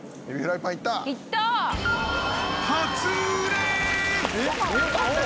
初売れ。